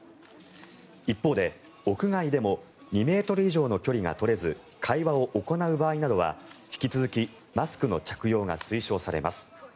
一方で、屋外でも２ｍ以上の距離が取れず会話を行う場合などは、引き続きマスクの着用が推奨されます。